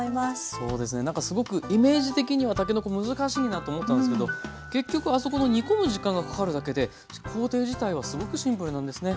そうですねなんかすごくイメージ的にはたけのこ難しいなと思ったんですけど結局あそこの煮込む時間がかかるだけで工程自体はすごくシンプルなんですね。